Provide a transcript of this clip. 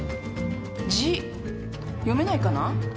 字読めないかな？